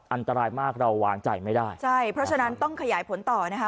อันตรายมากเราวางใจไม่ได้ใช่เพราะฉะนั้นต้องขยายผลต่อนะคะ